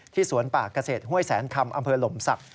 สวนป่าเกษตรห้วยแสนคำอำเภอหลมศักดิ